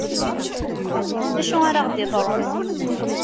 D acu ara ɣ-d-iḍrun?